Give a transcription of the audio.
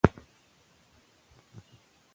د پښتو ژبې کلتور زموږ د ژوند روح دی.